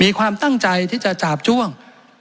มีความตั้งใจที่จะจาบจ้วง